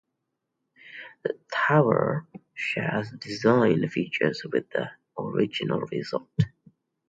The tower shares design features with the original resort.